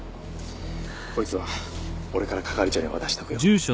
こいつは俺から係長に渡しとくよ。